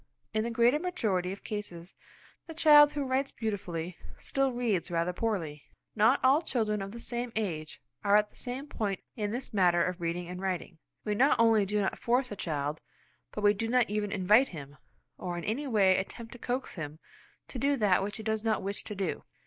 In the greater majority of cases the child who writes beautifully, still reads rather poorly. Not all children of the same age are at the same point in this matter of reading and writing. We not only do not force a child, but we do not even invite him, or in any way attempt to coax him to do that which he does not wish to do.